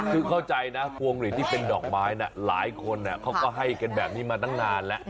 คือเข้าใจนะพวงหลีดที่เป็นดอกไม้หลายคนเขาก็ให้กันแบบนี้มาตั้งนานแล้ว